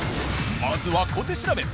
まずは小手調べ。